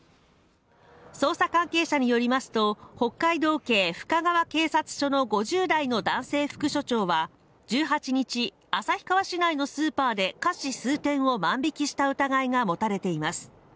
捜査関係者によりますと北海道警深川警察署の５０代の男性副署長は１８日旭川市内のスーパーで菓子数点を万引きした疑いが持たれています